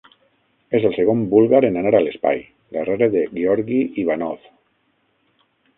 És el segon búlgar en anar a l'espai, darrere de Georgi Ivanov.